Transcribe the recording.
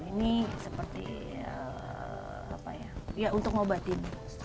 ini seperti apa ya untuk ngobatin